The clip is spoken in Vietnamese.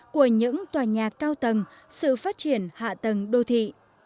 của những tòa nhà cao tầng sự phát triển hạ tầng đô thị